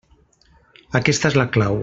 Aquesta és la clau.